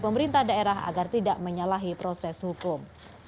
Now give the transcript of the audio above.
pemerintah daerah agar tidak menyalahi proses hukum